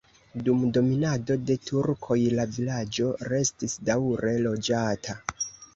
Dum dominado de turkoj la vilaĝo restis daŭre loĝata.